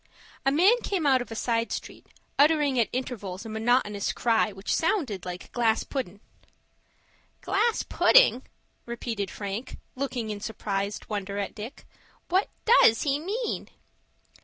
A man came out of a side street, uttering at intervals a monotonous cry which sounded like "glass puddin'." "Glass pudding!" repeated Frank, looking in surprised wonder at Dick. "What does he mean?"